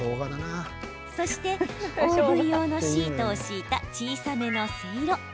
そして、オーブン用のシートを敷いた小さめの、せいろ。